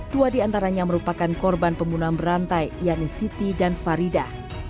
dua di antaranya merupakan korban pembunuhan berantai yanni siti dan farida